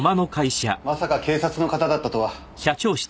まさか警察の方だったとは。